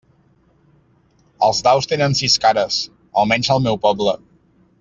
Els daus tenen sis cares, almenys al meu poble.